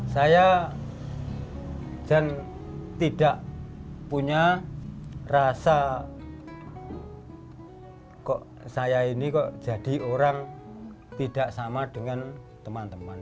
saya dan tidak punya rasa kok saya ini kok jadi orang tidak sama dengan teman teman